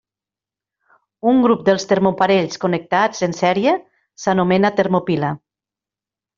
Un grup de termoparells connectats en sèrie s'anomena termopila.